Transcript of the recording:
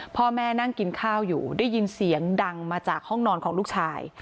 พ่อแม่นั่งกินข้าวอยู่ได้ยินเสียงดังมาจากห้องนอนของลูกชาย